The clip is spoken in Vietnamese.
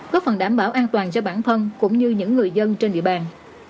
góp phần đảm bảo an toàn cho bản thân cũng như những người dân trên địa bàn